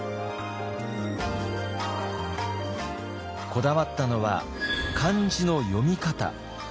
こだわったのは漢字の読み方。